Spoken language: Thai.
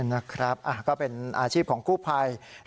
นะครับก็เป็นอาชีพของกู้ภัย